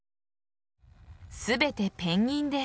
全てペンギンです。